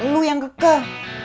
lo yang kekeh